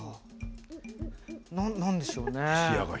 なんでしょうね。